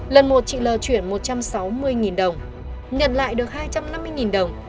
lần một chị l chuyển một trăm sáu mươi đồng nhận lại được hai trăm năm mươi đồng